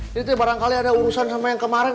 ini neng barangkali ada urusan sama yang kemarin